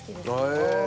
へえ。